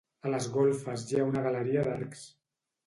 A les golfes hi ha una galeria d'arcs.